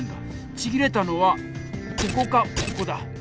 ちぎれたのはここかここだ。